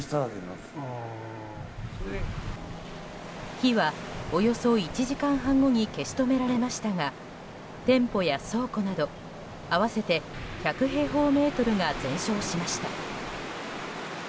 火はおよそ１時間半後に消し止められましたが店舗や倉庫など合わせて１００平方メートルが全焼しました。